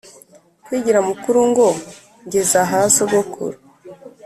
kwigira mukuru ngo ngeze aha sogokuru